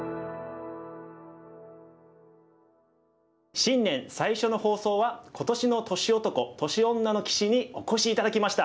新年最初の放送は今年の年男年女の棋士にお越し頂きました。